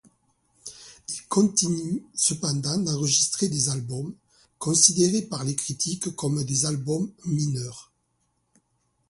Il continue cependant d'enregistrer des albums, considérés par les critiques comme des albums mineurs.